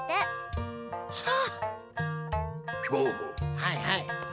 はいはい。